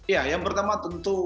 ya yang pertama tentu